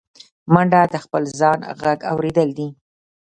منډه د خپل ځان غږ اورېدل دي